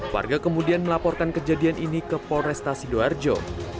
warga kemudian melaporkan kejadian ini ke polresta sidoarjo